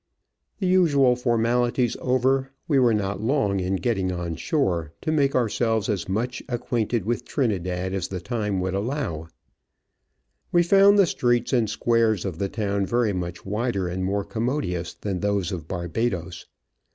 The usual for malities over, we were not long in getting on shore, to make our selves as much ac with Trinidad as the time would allow. We Digitized by VjOOQIC OF AN Orchid Hunter, 19 found the streets and squares of the town very much wider and more commodious than those of Barbadoes.